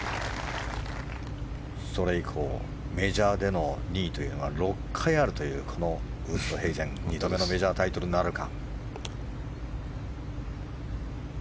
それ以降、メジャーでの２位というのが６回あるというこのウーストヘイゼン２度目のメジャータイトルとなるか。